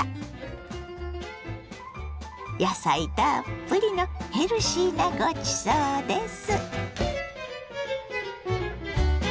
野菜たっぷりのヘルシーなごちそうです。